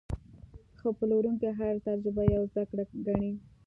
ښه پلورونکی هره تجربه یوه زده کړه ګڼي.